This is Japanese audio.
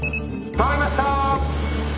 回りました！